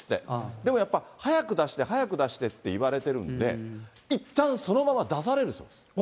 でもやっぱ、早く出して、早く出してって言われてるんで、いったんそのまま出されるそうです。